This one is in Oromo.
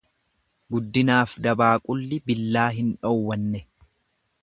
Guddinaaf dabaaqulli billaa hin dhowwanne.